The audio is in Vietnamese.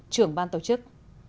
trưởng ban tổ chức